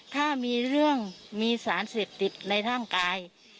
ถ้ามีเรื่องมีสารเสพติดในร่างกาย